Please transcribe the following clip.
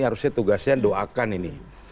harusnya tugasnya doakan ini